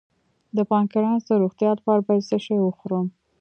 د پانکراس د روغتیا لپاره باید څه شی وخورم؟